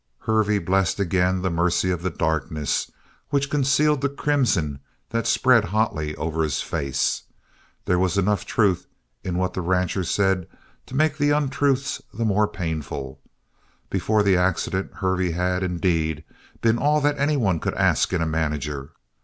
Hervey blessed again the mercy of the darkness which concealed the crimson that spread hotly over his face. There was enough truth in what the rancher said to make the untruths the more painful. Before the accident Hervey had, indeed, been all that anyone could ask in a manager.